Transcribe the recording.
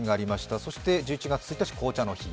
そして、１１月１日、紅茶の日。